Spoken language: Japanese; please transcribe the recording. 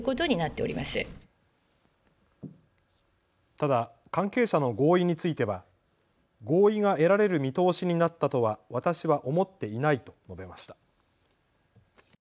ただ関係者の合意については合意が得られる見通しになったとは私は思っていないと述べました。